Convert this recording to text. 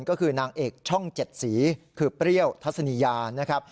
ก็คือนางเอกช่อง๗สีคือเปรี้ยวทัศนียานะครับ